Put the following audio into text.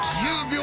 １０秒！